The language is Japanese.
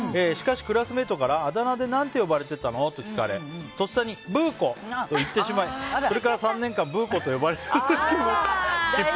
しかし、クラスメートからあだ名で何て呼ばれてたの？と聞かれとっさにブー子！と言ってしまいそれから３年間ブー子と呼ばれました。